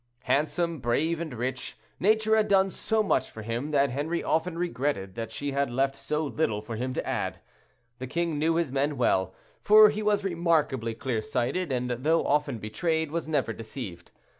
Handsome, brave and rich, Nature had done so much for him that Henri often regretted that she had left so little for him to add. The king knew his men well, for he was remarkably clear sighted: and though often betrayed, was never deceived.